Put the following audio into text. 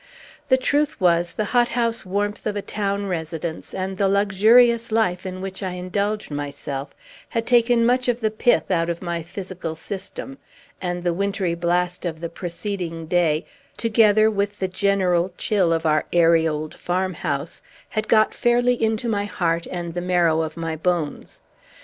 The truth was, the hot house warmth of a town residence, and the luxurious life in which I indulged myself, had taken much of the pith out of my physical system; and the wintry blast of the preceding day, together with the general chill of our airy old farmhouse, had got fairly into my heart and the marrow of my bones.